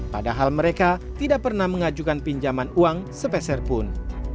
padahal mereka tidak pernah mengajukan pinjaman uang sepeserpun